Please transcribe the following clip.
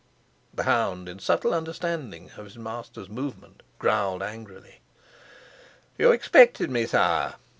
The hound, in subtle understanding of his master's movement, growled angrily. "You expected me, sire?"